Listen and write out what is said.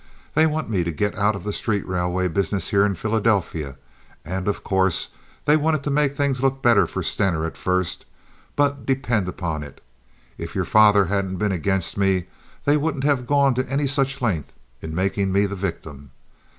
They want me to get out of the street railway business here in Philadelphia, and, of course, they wanted to make things look better for Stener at first; but depend upon it, if your father hadn't been against me they wouldn't have gone to any such length in making me the victim.